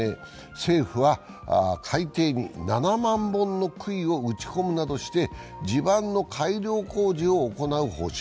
政府は海底に７万本のくいを打ち込むなどして地盤の改良工事を行う方針。